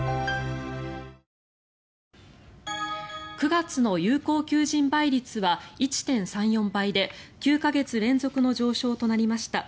９月の有効求人倍率は１．３４倍で９か月連続の上昇となりました。